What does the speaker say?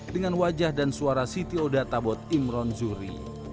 dengan wajah dan suara cto databot imron zuri